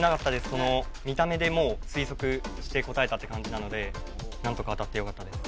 その見た目でもう推測して答えたって感じなので何とか当たってよかったです